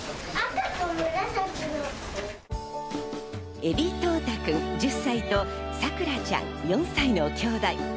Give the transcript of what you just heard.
海老統太くん１０歳と、紗来良ちゃん４歳のきょうだい。